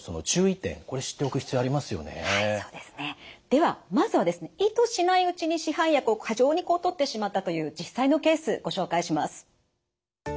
ではまずはですね意図しないうちに市販薬を過剰にとってしまったという実際のケースご紹介します。